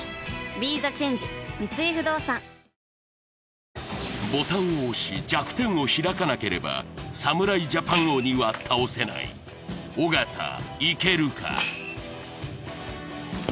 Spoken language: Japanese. ＢＥＴＨＥＣＨＡＮＧＥ三井不動産ボタンを押し弱点を開かなければ侍ジャパン鬼は倒せない尾形いけるか？